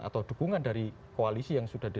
atau dukungan dari koalisi yang sudah